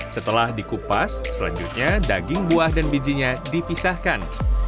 setelah dikupas selanjutnya daging buah dan bijinya dipisahkan